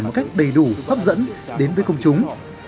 một cách đầy đủ hấp dẫn đến với công chúng